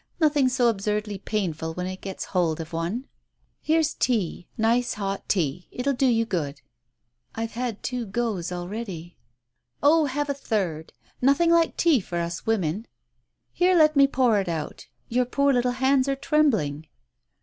"Nothing so absurdly painful when it gets hold of one. Here's tea — nice hot tea. It will do you good." "I've had two goes already." "Oh, have a third ! Nothing like tea for us women ! Here, let me pour it out. Your poor little hands are trembling."